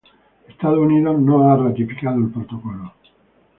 Estados Unidos no ha ratificado el Protocolo.